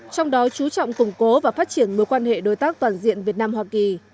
trong đó chú trọng củng cố và phát triển mối quan hệ đối tác toàn diện việt nam hoa kỳ